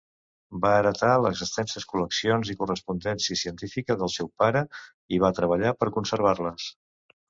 Va heretar les extenses col·leccions i correspondència científica del seu pare i va treballar per conservar-les.